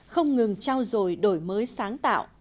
không ngừng trao dồi đổi mới sáng tạo